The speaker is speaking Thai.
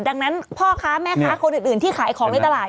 ดังนั้นพ่อค้าแม่ค้าคนอื่นที่ขายของในตลาด